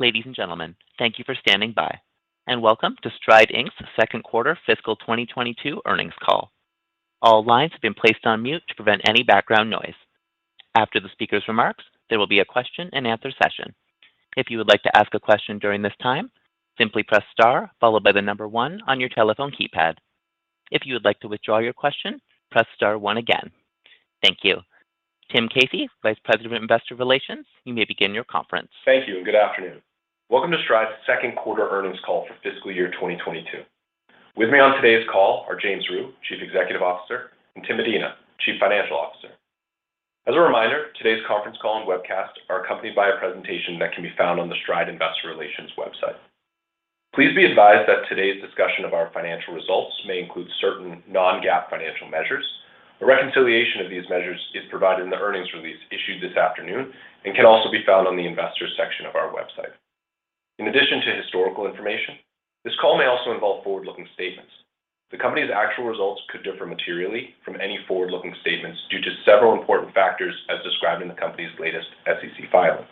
Ladies and gentlemen, thank you for standing by, and welcome to Stride, Inc.'s second quarter fiscal 2022 earnings call. All lines have been placed on mute to prevent any background noise. After the speaker's remarks, there will be a question and answer session. If you would like to ask a question during this time, simply press star followed by the number one on your telephone keypad. If you would like to withdraw your question, press star one again. Thank you. Tim Casey, Vice President of Investor Relations, you may begin your conference. Thank you, and good afternoon. Welcome to Stride's second quarter earnings call for fiscal year 2022. With me on today's call are James Rhyu, Chief Executive Officer, and Tim Medina, Chief Financial Officer. As a reminder, today's conference call and webcast are accompanied by a presentation that can be found on the Stride Investor Relations website. Please be advised that today's discussion of our financial results may include certain non-GAAP financial measures. A reconciliation of these measures is provided in the earnings release issued this afternoon and can also be found on the Investors section of our website. In addition to historical information, this call may also involve forward-looking statements. The company's actual results could differ materially from any forward-looking statements due to several important factors as described in the company's latest SEC filings.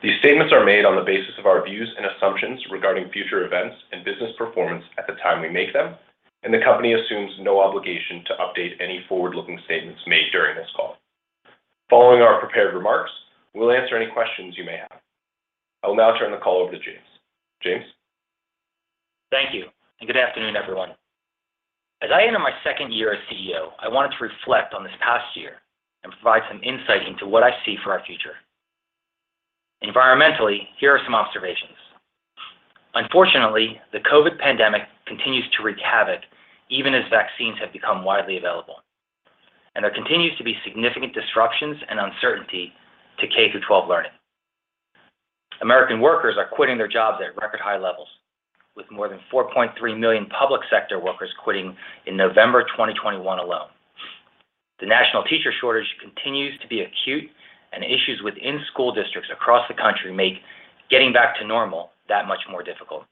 These statements are made on the basis of our views and assumptions regarding future events and business performance at the time we make them, and the company assumes no obligation to update any forward-looking statements made during this call. Following our prepared remarks, we will answer any questions you may have. I will now turn the call over to James. James? Thank you, and good afternoon, everyone. As I enter my second year as CEO, I wanted to reflect on this past year and provide some insight into what I see for our future. Environmentally, here are some observations. Unfortunately, the COVID pandemic continues to wreak havoc even as vaccines have become widely available, and there continues to be significant disruptions and uncertainty to K-12 learning. American workers are quitting their jobs at record high levels, with more than 4.3 million public sector workers quitting in November 2021 alone. The national teacher shortage continues to be acute, and issues within school districts across the country make getting back to normal that much more difficult.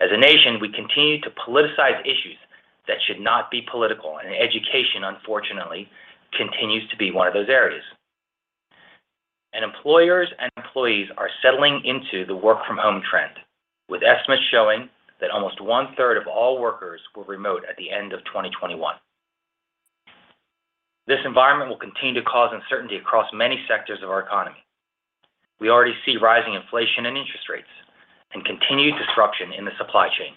As a nation, we continue to politicize issues that should not be political, and education, unfortunately, continues to be one of those areas. Employers and employees are settling into the work from home trend, with estimates showing that almost one-third of all workers were remote at the end of 2021. This environment will continue to cause uncertainty across many sectors of our economy. We already see rising inflation and interest rates and continued disruption in the supply chain.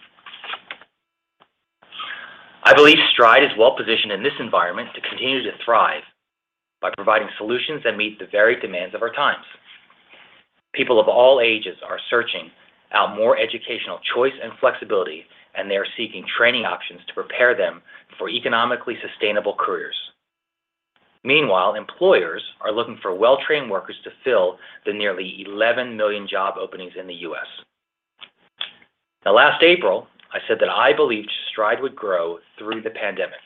I believe Stride is well positioned in this environment to continue to thrive by providing solutions that meet the varied demands of our times. People of all ages are searching out more educational choice and flexibility, and they are seeking training options to prepare them for economically sustainable careers. Meanwhile, employers are looking for well-trained workers to fill the nearly 11 million job openings in the U.S. Now last April, I said that I believed Stride would grow through the pandemic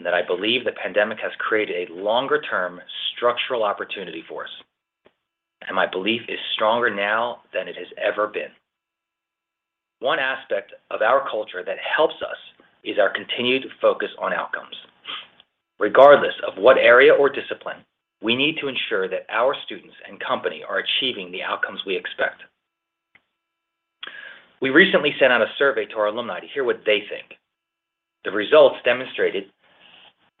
and that I believe the pandemic has created a longer term structural opportunity for us, and my belief is stronger now than it has ever been. One aspect of our culture that helps us is our continued focus on outcomes. Regardless of what area or discipline, we need to ensure that our students and company are achieving the outcomes we expect. We recently sent out a survey to our alumni to hear what they think. The results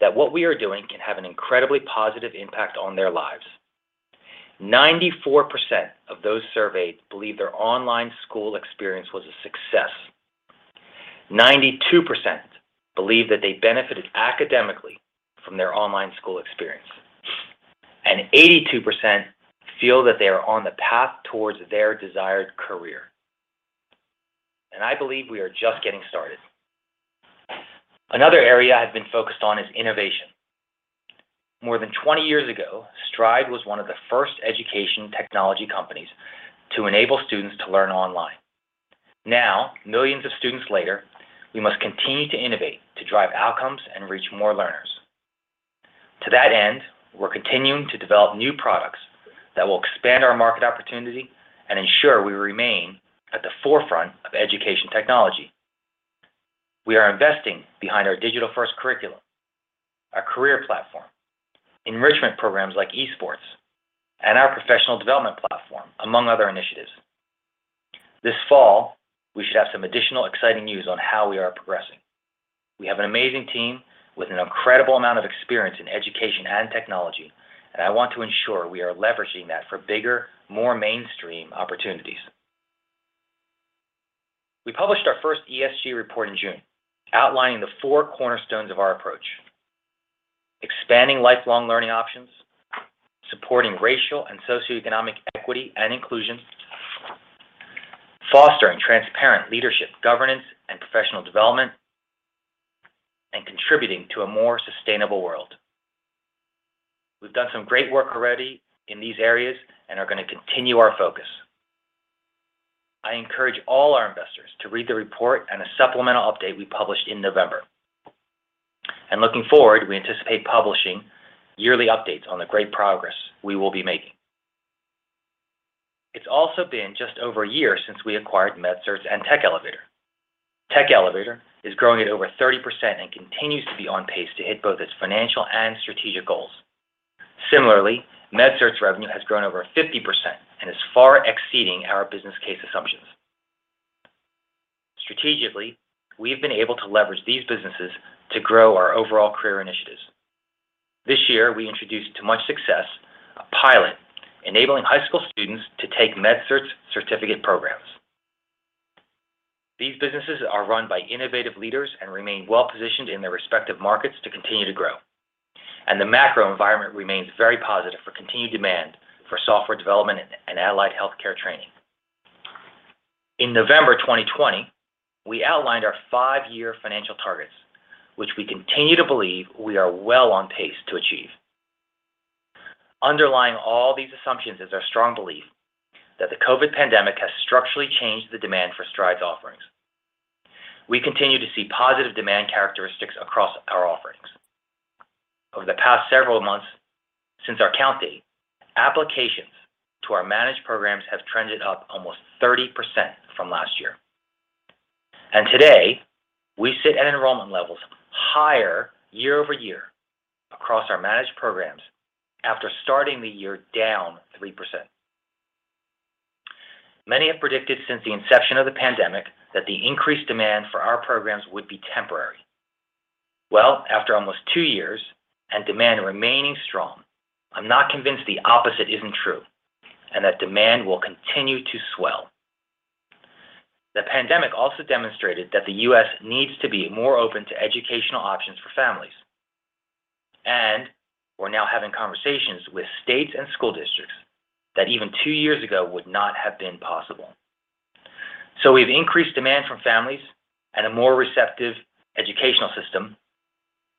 demonstrated that what we are doing can have an incredibly positive impact on their lives. 94% of those surveyed believe their online school experience was a success. 92% believe that they benefited academically from their online school experience. 82% feel that they are on the path towards their desired career. I believe we are just getting started. Another area I have been focused on is innovation. More than 20 years ago, Stride was one of the first education technology companies to enable students to learn online. Now, millions of students later, we must continue to innovate to drive outcomes and reach more learners. To that end, we're continuing to develop new products that will expand our market opportunity and ensure we remain at the forefront of education technology. We are investing behind our digital-first curriculum, our career platform, enrichment programs like esports and our professional development platform, among other initiatives. This fall, we should have some additional exciting news on how we are progressing. We have an amazing team with an incredible amount of experience in education and technology, and I want to ensure we are leveraging that for bigger, more mainstream opportunities. We published our first ESG report in June outlining the four cornerstones of our approach, expanding lifelong learning options, supporting racial and socioeconomic equity and inclusion, fostering transparent leadership, governance, and professional development, and contributing to a more sustainable world. We've done some great work already in these areas and are gonna continue our focus. I encourage all our investors to read the report and a supplemental update we published in November. Looking forward, we anticipate publishing yearly updates on the great progress we will be making. It's also been just over a year since we acquired MedCerts and Tech Elevator. Tech Elevator is growing at over 30% and continues to be on pace to hit both its financial and strategic goals. Similarly, MedCerts's revenue has grown over 50% and is far exceeding our business case assumptions. Strategically, we've been able to leverage these businesses to grow our overall career initiatives. This year, we introduced, with much success, a pilot enabling high school students to take MedCerts' certificate programs. These businesses are run by innovative leaders and remain well-positioned in their respective markets to continue to grow. The macro environment remains very positive for continued demand for software development and allied healthcare training. In November 2020, we outlined our five-year financial targets, which we continue to believe we are well on pace to achieve. Underlying all these assumptions is our strong belief that the COVID pandemic has structurally changed the demand for Stride's offerings. We continue to see positive demand characteristics across our offerings. Over the past several months since our count date, applications to our managed programs have trended up almost 30% from last year. Today, we sit at enrollment levels higher year-over-year across our managed programs after starting the year down 3%. Many have predicted since the inception of the pandemic that the increased demand for our programs would be temporary. Well, after almost two years and demand remaining strong, I'm not convinced the opposite isn't true, and that demand will continue to swell. The pandemic also demonstrated that the U.S. needs to be more open to educational options for families, and we're now having conversations with states and school districts that even two years ago would not have been possible. We've increased demand from families and a more receptive educational system,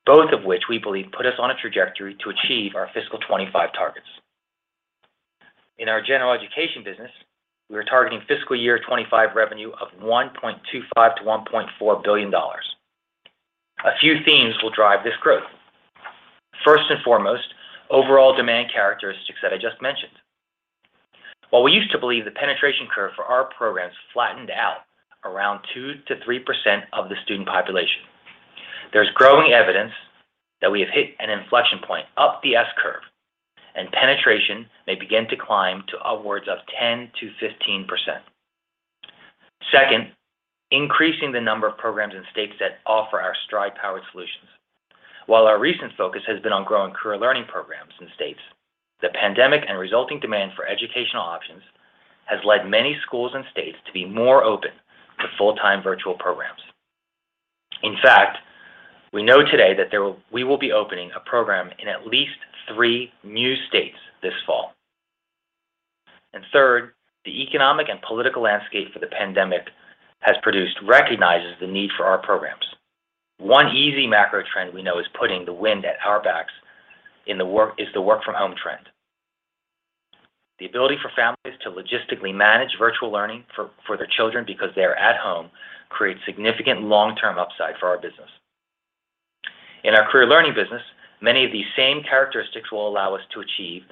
both of which we believe put us on a trajectory to achieve our fiscal 2025 targets. In our General Education business, we are targeting FY 2025 revenue of $1.25 billion-$1.4 billion. A few themes will drive this growth. First and foremost, overall demand characteristics that I just mentioned. While we used to believe the penetration curve for our programs flattened out around 2%-3% of the student population, there's growing evidence that we have hit an inflection point up the S-curve, and penetration may begin to climb to upwards of 10%-15%. Second, increasing the number of programs and states that offer our Stride-powered solutions. While our recent focus has been on growing Career Learning programs in states, the pandemic and resulting demand for educational options has led many schools and states to be more open to full-time virtual programs. In fact, we know today that we will be opening a program in at least three new states this fall. Third, the economic and political landscape for the pandemic has produced recognizes the need for our programs. One easy macro trend we know is putting the wind at our backs is the work from home trend. The ability for families to logistically manage virtual learning for their children because they are at home creates significant long-term upside for our business. In our Career Learning business, many of these same characteristics will allow us to achieve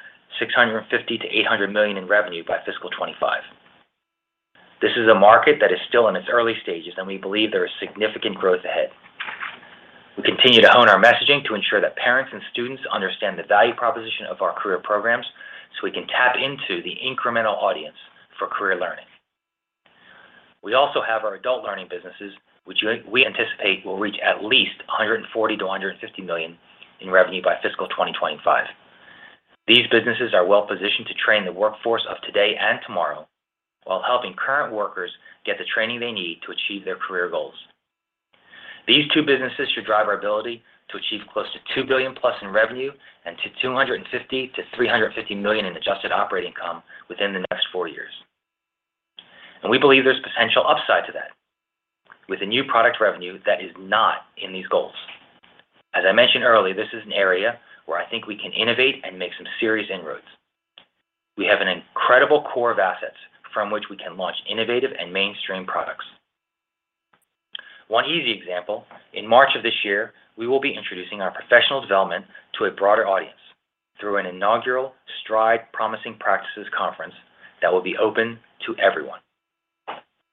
$650 million-$800 million in revenue by FY 2025. This is a market that is still in its early stages, and we believe there is significant growth ahead. We continue to hone our messaging to ensure that parents and students understand the value proposition of our career programs so we can tap into the incremental audience for Career Learning. We also have our Adult Learning businesses, which we anticipate will reach at least $140 million-$150 million in revenue by fiscal 2025. These businesses are well-positioned to train the workforce of today and tomorrow while helping current workers get the training they need to achieve their career goals. These two businesses should drive our ability to achieve close to $2 billion+ in revenue and $250 million-$350 million in adjusted operating income within the next four years. We believe there's potential upside to that with a new product revenue that is not in these goals. As I mentioned earlier, this is an area where I think we can innovate and make some serious inroads. We have an incredible core of assets from which we can launch innovative and mainstream products. One easy example, in March of this year, we will be introducing our professional development to a broader audience through an inaugural Stride Promising Practices Conference that will be open to everyone.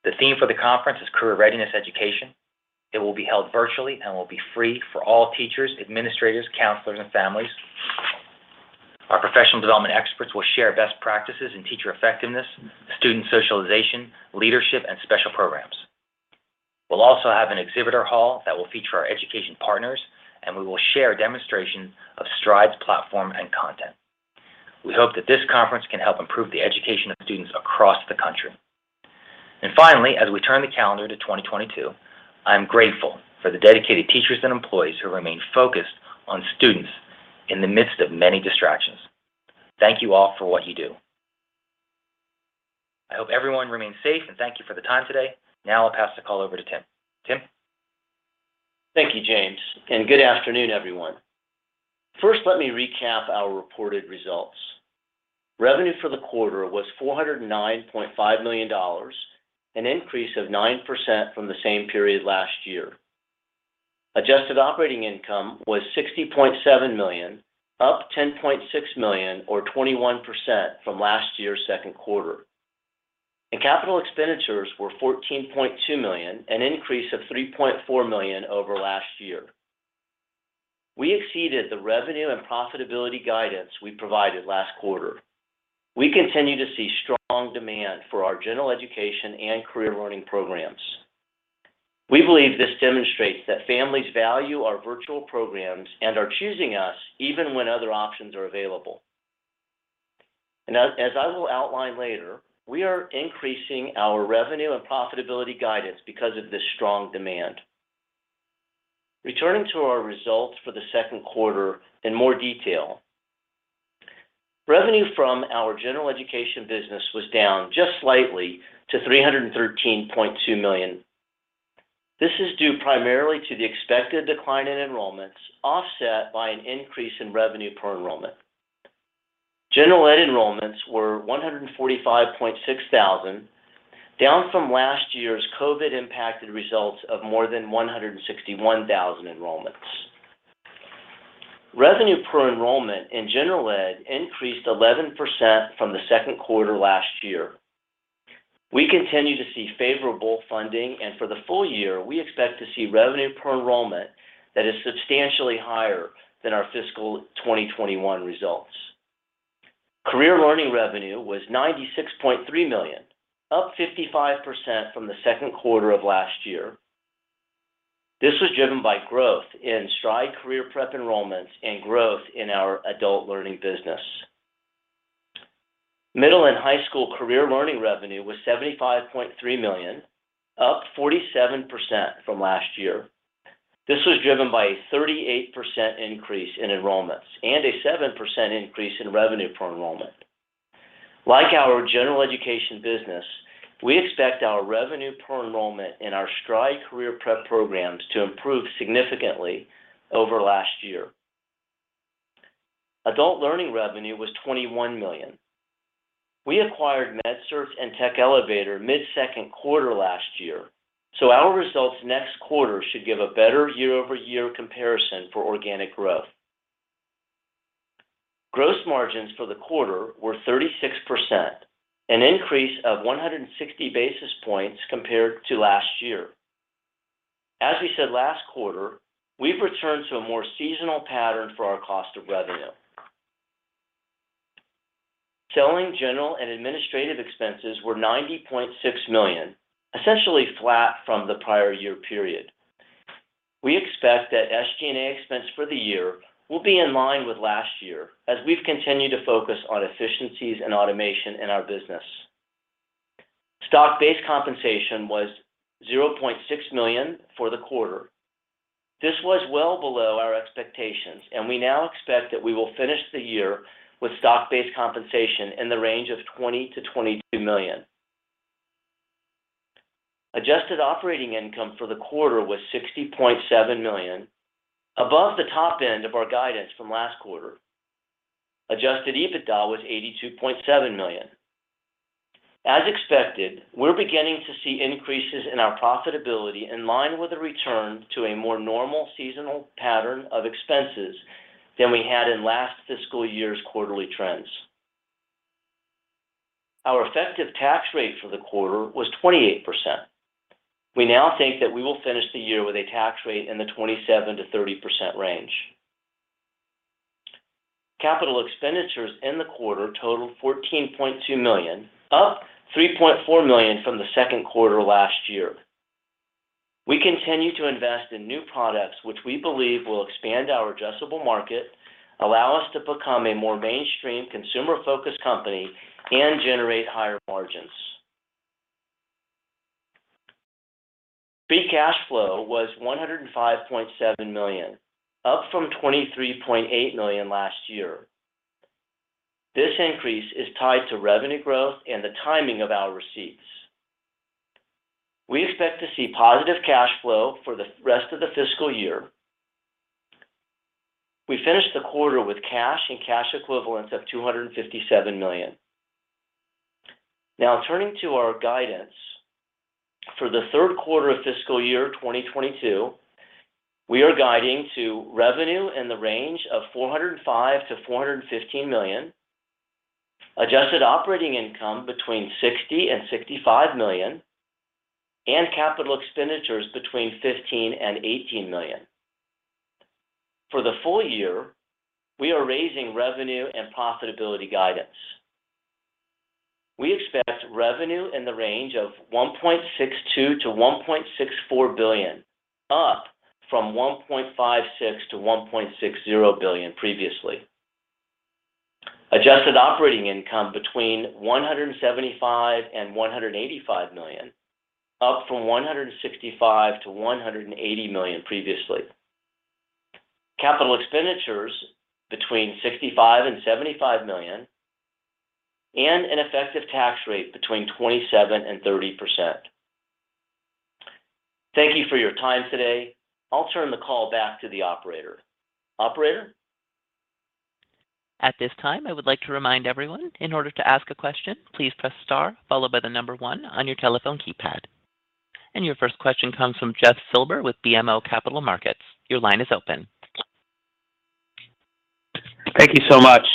The theme for the conference is career readiness education. It will be held virtually and will be free for all teachers, administrators, counselors, and families. Our professional development experts will share best practices in teacher effectiveness, student socialization, leadership, and special programs. We'll also have an exhibitor hall that will feature our education partners, and we will share a demonstration of Stride's platform and content. We hope that this conference can help improve the education of students across the country. Finally, as we turn the calendar to 2022, I am grateful for the dedicated teachers and employees who remain focused on students in the midst of many distractions. Thank you all for what you do. I hope everyone remains safe, and thank you for the time today. Now I'll pass the call over to Tim. Tim? Thank you, James, and good afternoon, everyone. First, let me recap our reported results. Revenue for the quarter was $409.5 million, an increase of 9% from the same period last year. Adjusted operating income was $60.7 million, up $10.6 million or 21% from last year's second quarter. Capital expenditures were $14.2 million, an increase of $3.4 million over last year. We exceeded the revenue and profitability guidance we provided last quarter. We continue to see strong demand for our General Education and Career Learning programs. We believe this demonstrates that families value our virtual programs and are choosing us even when other options are available. As I will outline later, we are increasing our revenue and profitability guidance because of this strong demand. Returning to our results for the second quarter in more detail. Revenue from our General Education business was down just slightly to $313.2 million. This is due primarily to the expected decline in enrollments, offset by an increase in revenue per enrollment. General Ed enrollments were 145.6 thousand, down from last year's COVID-impacted results of more than 161 thousand enrollments. Revenue per enrollment in General Ed increased 11% from the second quarter last year. We continue to see favorable funding, and for the full year, we expect to see revenue per enrollment that is substantially higher than our fiscal 2021 results. Career Learning revenue was $96.3 million, up 55% from the second quarter of last year. This was driven by growth in Stride Career Prep enrollments and growth in our Adult Learning business. Middle and high school Career Learning revenue was $75.3 million, up 47% from last year. This was driven by a 38% increase in enrollments and a 7% increase in revenue per enrollment. Like our General Education business, we expect our revenue per enrollment in our Stride Career Prep programs to improve significantly over last year. Adult Learning revenue was $21 million. We acquired MedCerts and Tech Elevator mid-second quarter last year, so our results next quarter should give a better year-over-year comparison for organic growth. Gross margins for the quarter were 36%, an increase of 160 basis points compared to last year. As we said last quarter, we've returned to a more seasonal pattern for our cost of revenue. Selling, general, and administrative expenses were $90.6 million, essentially flat from the prior year period. We expect that SG&A expense for the year will be in line with last year as we've continued to focus on efficiencies and automation in our business. Stock-based compensation was $0.6 million for the quarter. This was well below our expectations, and we now expect that we will finish the year with stock-based compensation in the range of $20 million-$22 million. Adjusted operating income for the quarter was $60.7 million, above the top end of our guidance from last quarter. Adjusted EBITDA was $82.7 million. As expected, we're beginning to see increases in our profitability in line with a return to a more normal seasonal pattern of expenses than we had in last fiscal year's quarterly trends. Our effective tax rate for the quarter was 28%. We now think that we will finish the year with a tax rate in the 27%-30% range. Capital expenditures in the quarter totaled $14.2 million, up $3.4 million from the second quarter last year. We continue to invest in new products which we believe will expand our addressable market, allow us to become a more mainstream consumer-focused company, and generate higher margins. Free cash flow was $105.7 million, up from $23.8 million last year. This increase is tied to revenue growth and the timing of our receipts. We expect to see positive cash flow for the rest of the fiscal year. We finished the quarter with cash and cash equivalents of $257 million. Now turning to our guidance. For the third quarter of fiscal year 2022, we are guiding to revenue in the range of $405 million-$415 million, adjusted operating income between $60 million-$65 million, and capital expenditures between $15 million-$18 million. For the full year, we are raising revenue and profitability guidance. We expect revenue in the range of $1.62 billion-$1.64 billion, up from $1.56 billion-$1.60 billion previously. Adjusted operating income between $175 million-$185 million, up from $165 million-$180 million previously. Capital expenditures between $65 million-$75 million, and an effective tax rate between 27%-30%. Thank you for your time today. I'll turn the call back to the operator. Operator? At this time, I would like to remind everyone, in order to ask a question, please press star followed by 1 on your telephone keypad. Your first question comes from Jeff Silber with BMO Capital Markets. Your line is open. Thank you so much.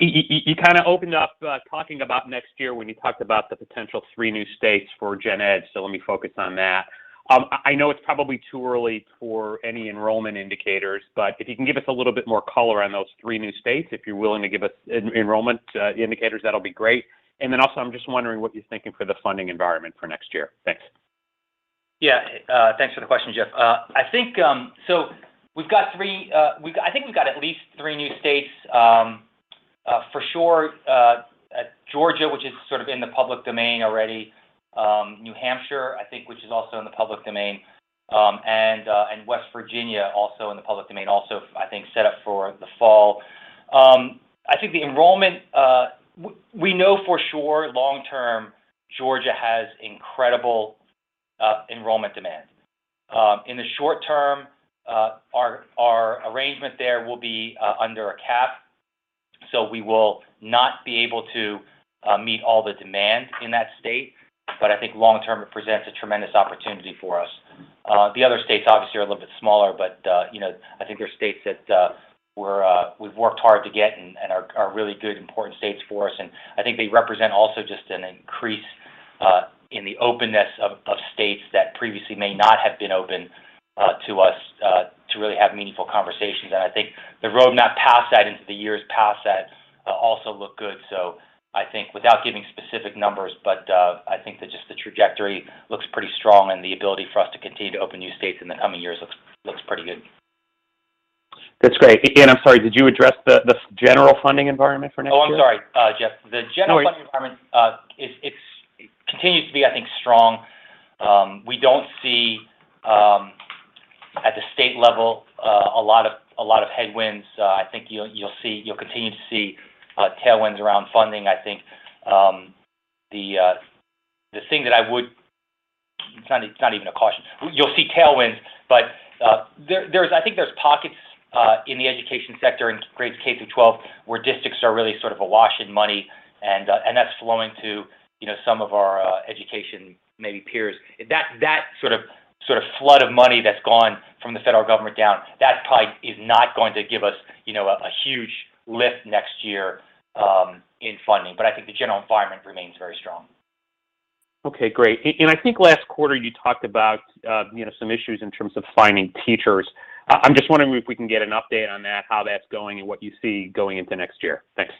You kind of opened up talking about next year when you talked about the potential three new states for gen ed, so let me focus on that. I know it's probably too early for any enrollment indicators, but if you can give us a little bit more color on those three new states, if you're willing to give us enrollment indicators, that'll be great. Also, I'm just wondering what you're thinking for the funding environment for next year. Thanks. Yeah. Thanks for the question, Jeff. I think we've got at least three new states for sure in Georgia, which is sort of in the public domain already, New Hampshire, I think, which is also in the public domain, and West Virginia, also in the public domain, also set up for the fall. I think the enrollment we know for sure long term, Georgia has incredible enrollment demand. In the short term, our arrangement there will be under a cap, so we will not be able to meet all the demand in that state. I think long term, it presents a tremendous opportunity for us. The other states obviously are a little bit smaller, but, you know, I think they're states that we've worked hard to get and are really good, important states for us. I think they represent also just an increase in the openness of states that previously may not have been open to us to really have meaningful conversations. I think the roadmap past that into the years past that also look good. I think without giving specific numbers, but, I think that just the trajectory looks pretty strong and the ability for us to continue to open new states in the coming years looks pretty good. That's great. Again, I'm sorry, did you address the general funding environment for next year? Oh, I'm sorry, Jeff. No worries. The general funding environment, it continues to be, I think, strong. We don't see, at the state level, a lot of headwinds. I think you'll continue to see tailwinds around funding. It's not even a caution. You'll see tailwinds, but I think there's pockets in the education sector in grades K through 12, where districts are really sort of awash in money and that's flowing to, you know, some of our educational peers. That sort of flood of money that's gone from the federal government down that probably is not going to give us, you know, a huge lift next year in funding. I think the general environment remains very strong. Okay, great. I think last quarter you talked about, you know, some issues in terms of finding teachers. I'm just wondering if we can get an update on that, how that's going, and what you see going into next year. Thanks.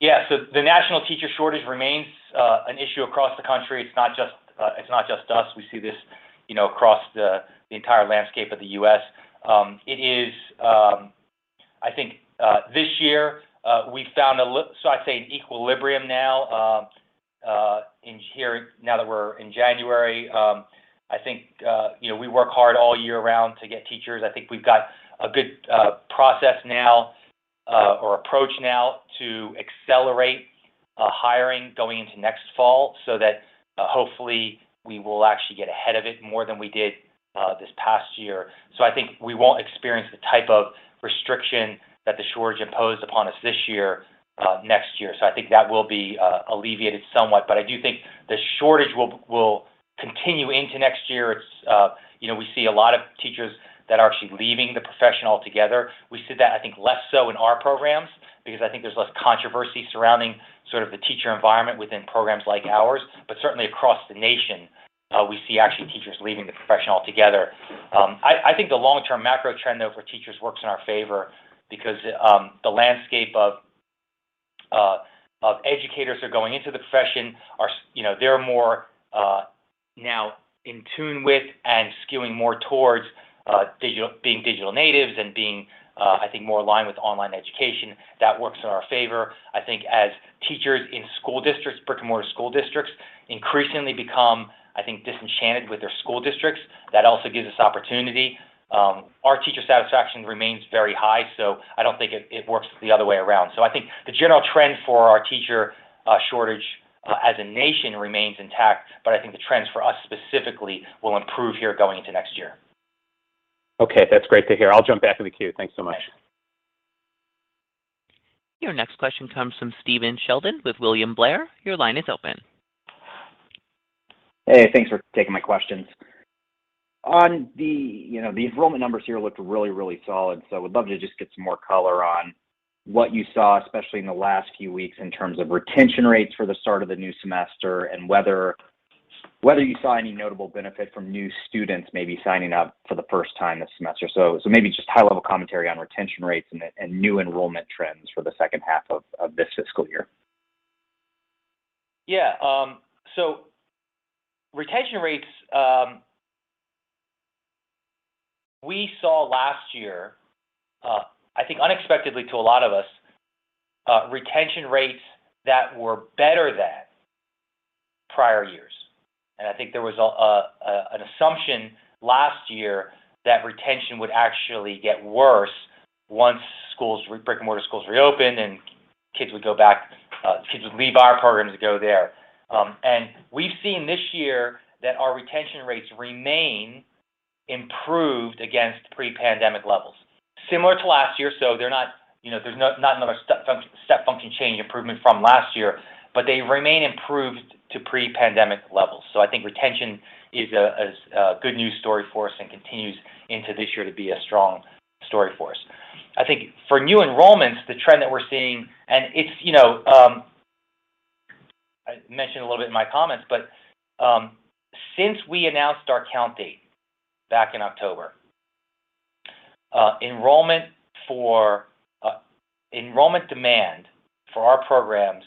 Yeah. The national teacher shortage remains an issue across the country. It's not just us. We see this, you know, across the entire landscape of the U.S. I think this year we found so I'd say an equilibrium now in here now that we're in January. I think you know, we work hard all year round to get teachers. I think we've got a good process now or approach now to accelerate hiring going into next fall so that hopefully we will actually get ahead of it more than we did this past year. I think we won't experience the type of restriction that the shortage imposed upon us this year next year. I think that will be alleviated somewhat. I do think the shortage will continue into next year. It's you know, we see a lot of teachers that are actually leaving the profession altogether. We see that I think less so in our programs because I think there's less controversy surrounding sort of the teacher environment within programs like ours. Certainly across the nation, we see actually teachers leaving the profession altogether. I think the long-term macro trend, though, for teachers works in our favor because the landscape of educators who are going into the profession are you know, they're more now in tune with and skewing more towards being digital natives and being I think more aligned with online education. That works in our favor. I think as teachers in school districts, brick-and-mortar school districts, increasingly become, I think, disenchanted with their school districts, that also gives us opportunity. Our teacher satisfaction remains very high, so I don't think it works the other way around. I think the general trend for our teacher shortage as a nation remains intact, but I think the trends for us specifically will improve here going into next year. Okay, that's great to hear. I'll jump back in the queue. Thanks so much. Okay. Your next question comes from Stephen Sheldon with William Blair. Your line is open. Hey, thanks for taking my questions. On the, you know, the enrollment numbers here looked really solid, so I would love to just get some more color on what you saw, especially in the last few weeks, in terms of retention rates for the start of the new semester and whether you saw any notable benefit from new students maybe signing up for the first time this semester. Maybe just high-level commentary on retention rates and new enrollment trends for the second half of this fiscal year. Retention rates we saw last year, I think unexpectedly to a lot of us, retention rates that were better than prior years. I think there was an assumption last year that retention would actually get worse once brick-and-mortar schools reopened and kids would go back to leave our programs to go there. We've seen this year that our retention rates remain improved against pre-pandemic levels. Similar to last year, they're not, you know, there's not another step function change improvement from last year, but they remain improved to pre-pandemic levels. I think retention is a good news story for us and continues into this year to be a strong story for us. I think for new enrollments, the trend that we're seeing, and it's, you know, I mentioned a little bit in my comments, but, since we announced our count date back in October, enrollment demand for our programs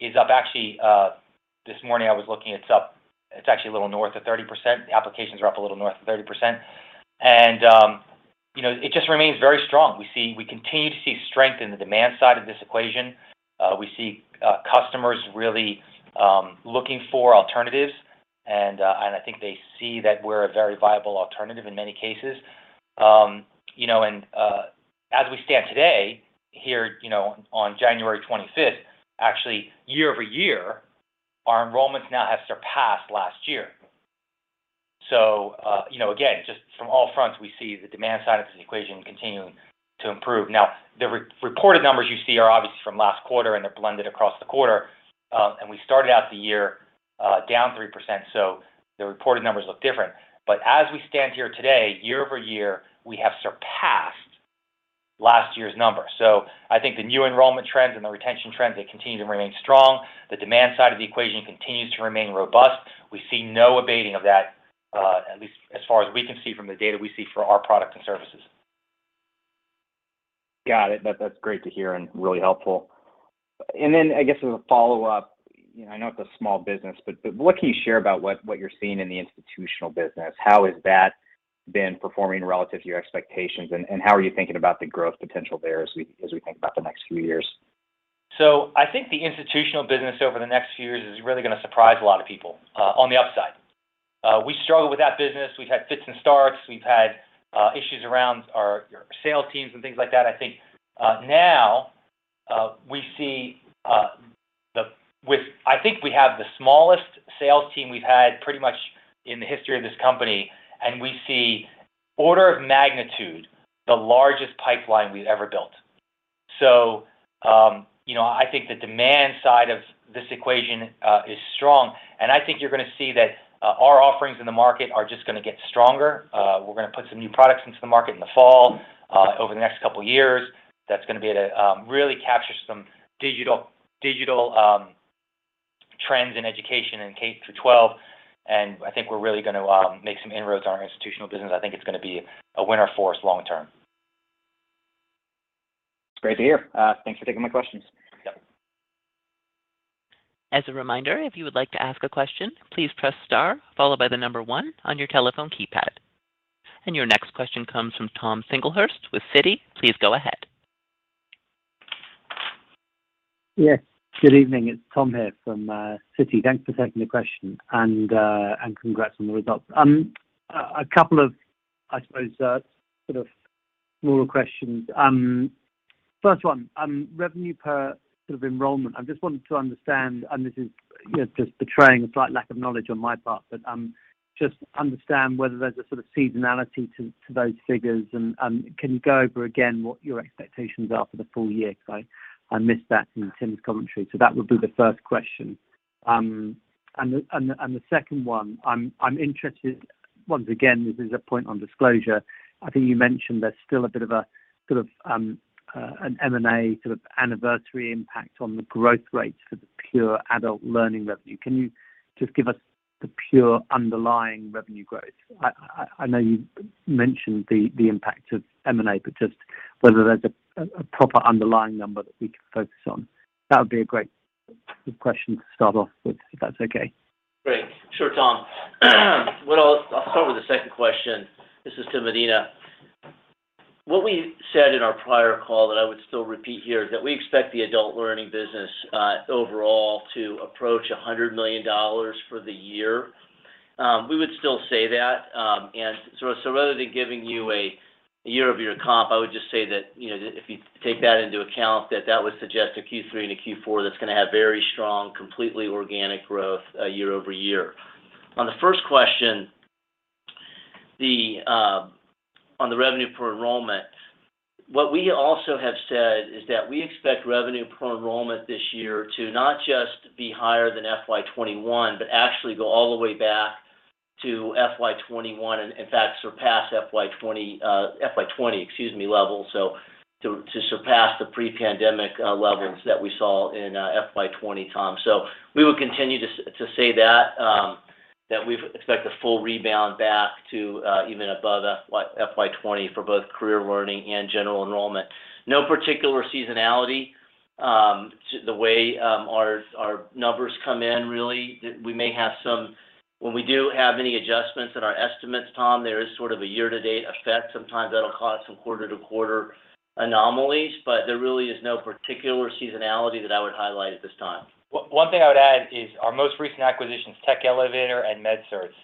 is up. Actually, this morning I was looking, it's up, actually a little north of 30%. Applications are up a little north of 30%. You know, it just remains very strong. We continue to see strength in the demand side of this equation. We see customers really looking for alternatives, and I think they see that we're a very viable alternative in many cases. You know, as we stand today here, you know, on January 25, actually year-over-year, our enrollments now have surpassed last year. You know, again, just from all fronts, we see the demand side of this equation continuing to improve. Now, the re-reported numbers you see are obviously from last quarter, and they're blended across the quarter. We started out the year, down 3%, so the reported numbers look different. As we stand here today, year-over-year, we have surpassed last year's number. I think the new enrollment trends and the retention trends, they continue to remain strong. The demand side of the equation continues to remain robust. We see no abating of that, at least as far as we can see from the data we see for our products and services. Got it. That's great to hear and really helpful. I guess as a follow-up, you know, I know it's a small business, but what can you share about what you're seeing in the institutional business? How has that been performing relative to your expectations, and how are you thinking about the growth potential there as we think about the next few years? I think the institutional business over the next few years is really gonna surprise a lot of people on the upside. We struggled with that business. We've had fits and starts. We've had issues around our sales teams and things like that. I think now we see I think we have the smallest sales team we've had pretty much in the history of this company, and we see order of magnitude, the largest pipeline we've ever built. You know, I think the demand side of this equation is strong, and I think you're gonna see that our offerings in the market are just gonna get stronger. We're gonna put some new products into the market in the fall over the next couple of years. That's gonna be to really capture some digital trends in education in K-12, and I think we're really gonna make some inroads on our institutional business. I think it's gonna be a winner for us long term. It's great to hear. Thanks for taking my questions. Yep. As a reminder, if you would like to ask a question, please press star followed by the number one on your telephone keypad. Your next question comes from Tom Singlehurst with Citi. Please go ahead. Yes. Good evening. It's Tom here from Citi. Thanks for taking the question, and congrats on the results. A couple of, I suppose, sort of smaller questions. First one, revenue per sort of enrollment. I just wanted to understand, and this is, you know, just betraying a slight lack of knowledge on my part, but just understand whether there's a sort of seasonality to those figures and can you go over again what your expectations are for the full year? Because I missed that in Tim's commentary. That would be the first question. And the second one, I'm interested. Once again, this is a point on disclosure. I think you mentioned there's still a bit of a sort of an M&A sort of anniversary impact on the growth rates for the pure Adult Learning revenue. Can you just give us the pure underlying revenue growth? I know you mentioned the impact of M&A, but just whether there's a proper underlying number that we can focus on. That would be a great question to start off with, if that's okay. Great. Sure, Tom. What I'll start with the second question. This is to Medina. What we said in our prior call that I would still repeat here is that we expect the Adult Learning business overall to approach $100 million for the year. We would still say that, so rather than giving you a year-over-year comp, I would just say that, you know, if you take that into account, that would suggest a Q3 and a Q4 that's gonna have very strong, completely organic growth year-over-year. On the first question, on the revenue per enrollment, what we also have said is that we expect revenue per enrollment this year to not just be higher than FY 2021, but actually go all the way back to FY 2021 and in fact surpass FY 2020 levels. To surpass the pre-pandemic levels that we saw in FY 2020, Tom. We would continue to say that we expect a full rebound back to even above FY 2020 for both Career Learning and general enrollment. No particular seasonality to the way our numbers come in, really. We may have some. When we do have any adjustments in our estimates, Tom, there is sort of a year-to-date effect. Sometimes that'll cause some quarter-to-quarter anomalies, but there really is no particular seasonality that I would highlight at this time. One thing I would add is our most recent acquisitions, Tech Elevator and MedCerts.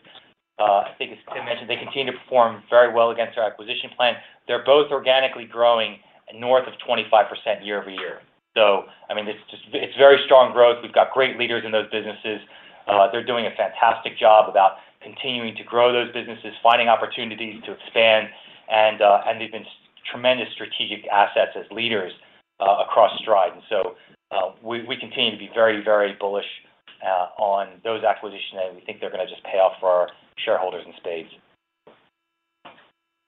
I think as Tim mentioned, they continue to perform very well against our acquisition plan. They're both organically growing north of 25% year-over-year. I mean, it's just very strong growth. We've got great leaders in those businesses. They're doing a fantastic job about continuing to grow those businesses, finding opportunities to expand, and they've been tremendous strategic assets as leaders across Stride. We continue to be very, very bullish on those acquisitions, and we think they're gonna just pay off for our shareholders in spades.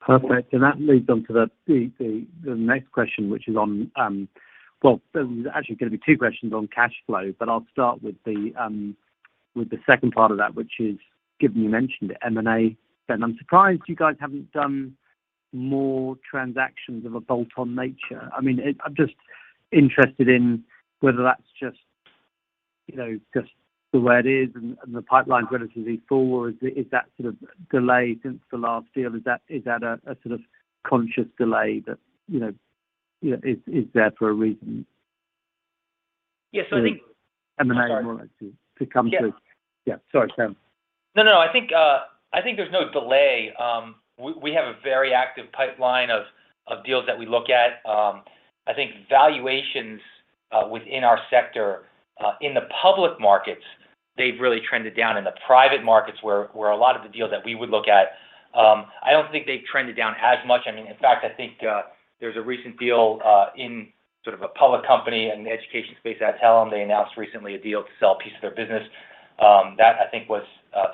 Perfect. That leads on to the next question, which is on cash flow. Well, there was actually gonna be two questions on cash flow, but I'll start with the second part of that, which is given you mentioned the M&A, James Rhyu, I'm surprised you guys haven't done more transactions of a bolt-on nature. I mean, I'm just interested in whether that's just you know just the way it is and the pipeline relatively full, or is that sort of delayed since the last deal? Is that a sort of conscious delay that you know is there for a reason? Yeah. I think. The M&A more actually to come through. Yeah. Yeah. Sorry, go on. No, I think there's no delay. We have a very active pipeline of deals that we look at. I think valuations within our sector in the public markets have really trended down. In the private markets where a lot of the deals that we would look at, I don't think they've trended down as much. I mean, in fact, I think there's a recent deal in sort of a public company in the education space at Hellum. They announced recently a deal to sell a piece of their business. That I think was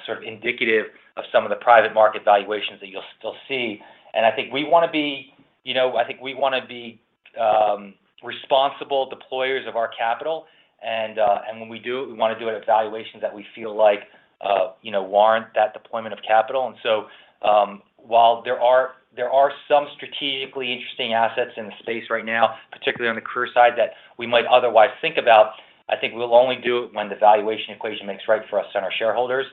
sort of indicative of some of the private market valuations that you'll still see. I think we wanna be, you know, responsible deployers of our capital and when we do it, we wanna do it at valuations that we feel like, you know, warrant that deployment of capital. While there are some strategically interesting assets in the space right now, particularly on the career side, that we might otherwise think about, I think we'll only do it when the valuation equation makes right for us and our shareholders,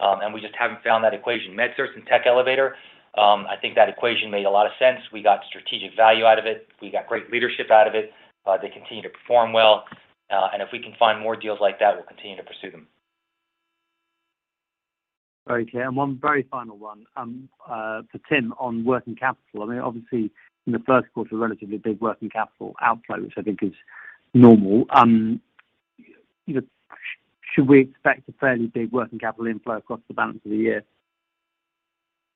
and we just haven't found that equation. MedCerts and Tech Elevator, I think that equation made a lot of sense. We got strategic value out of it. We got great leadership out of it. They continue to perform well. And if we can find more deals like that, we'll continue to pursue them. Okay. One very final one for Tim on working capital. I mean, obviously, in the first quarter, relatively big working capital outflow, which I think is normal. You know, should we expect a fairly big working capital inflow across the balance of the year?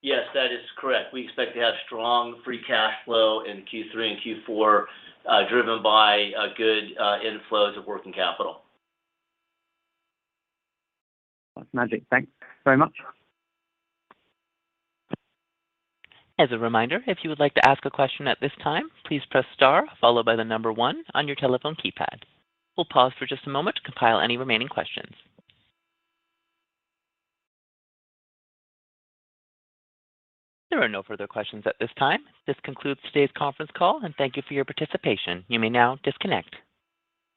Yes, that is correct. We expect to have strong free cash flow in Q3 and Q4, driven by good inflows of working capital. That's magic. Thanks very much. As a reminder, if you would like to ask a question at this time, please press star followed by the number one on your telephone keypad. We'll pause for just a moment to compile any remaining questions. There are no further questions at this time. This concludes today's conference call and thank you for your participation. You may now disconnect.